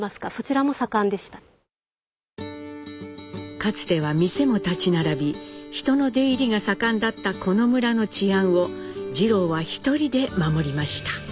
かつては店も立ち並び人の出入りが盛んだったこの村の治安を次郎は一人で守りました。